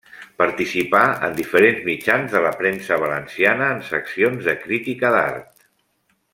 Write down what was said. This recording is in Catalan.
Participà en diferents mitjans de la premsa valenciana en seccions de crítica d'art.